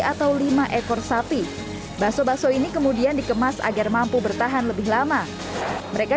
atau lima ekor sapi bakso bakso ini kemudian dikemas agar mampu bertahan lebih lama mereka